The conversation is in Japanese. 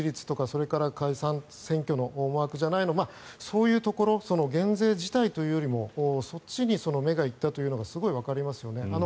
それから解散・総選挙の思惑じゃないのそういうところ減税自体というよりもそっちに目が行ったというのがすごいわかりますよね。